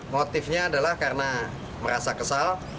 motifnya adalah karena merasa kesal